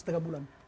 enam setengah bulan